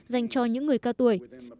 dành cho những người cao tuổi